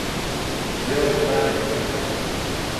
Белый танец!